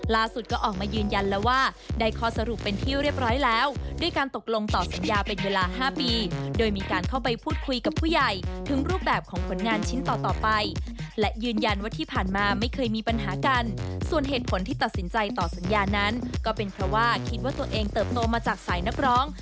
ก็ออกมายืนยันแล้วว่าได้ข้อสรุปเป็นที่เรียบร้อยแล้วด้วยการตกลงต่อสัญญาเป็นเวลา๕ปีโดยมีการเข้าไปพูดคุยกับผู้ใหญ่ถึงรูปแบบของผลงานชิ้นต่อต่อไปและยืนยันว่าที่ผ่านมาไม่เคยมีปัญหากันส่วนเหตุผลที่ตัดสินใจต่อสัญญานั้นก็เป็นเพราะว่าคิดว่าตัวเองเติบโตมาจากสายนักร้อง